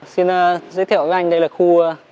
xin giới thiệu với anh đây là khu